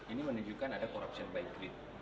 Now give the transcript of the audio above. ini menunjukkan ada korupsi by greed